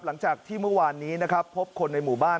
หลังจากที่เมื่อวานนี้นะครับพบคนในหมู่บ้าน